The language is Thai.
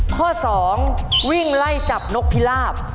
ข้อ๒วิ่งไล่จับนกพิลาบ